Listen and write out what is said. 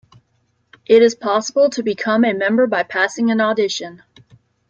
It is possible to become a member by passing an audition.